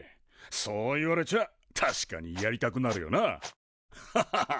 そう言われちゃあ確かにやりたくなるよなハハハハッ。